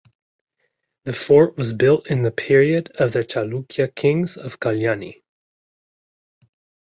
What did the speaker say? The fort was built in the period of the Chalukya kings of Kalyani.